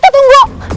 batu bata tunggu